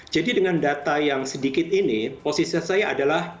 jadi dengan data yang sedikit ini posisi saya adalah